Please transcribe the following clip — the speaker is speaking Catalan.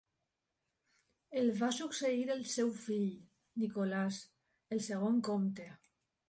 El va succeir el seu fill, Nicholas, el segon comte.